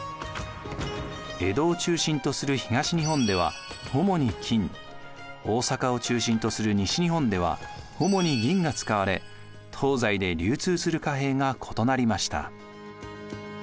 江戸を中心とする東日本では主に金大坂を中心とする西日本では主に銀が使われ東西で流通する貨幣が異なりました。